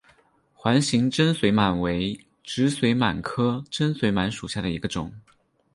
环形真绥螨为植绥螨科真绥螨属下的一个种。